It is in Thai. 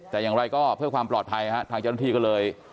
แต่อย่างไรก็เพื่อความปลอดภัยฮะทางเจ้าหน้าที่ก็เลย